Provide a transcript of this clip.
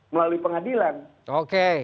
melalui pengadilan oke